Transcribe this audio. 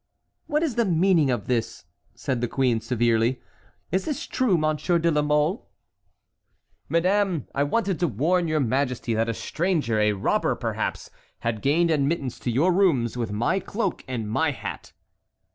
"What is the meaning of this?" said the queen, severely; "is this true, Monsieur de la Mole?" "Madame, I wanted to warn your majesty that a stranger, a robber perhaps, had gained admittance to your rooms with my cloak and my hat."